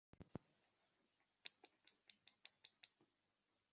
ati “Nimwongere ubwa gatatu” Bongera ubwa gatatu